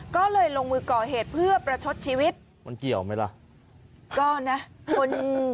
ก็เลยลงมือก่อเหตุเพื่อประชดชีวิตมันเกี่ยวไหมล่ะก็นะคน